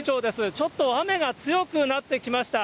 ちょっと雨が強くなってきました。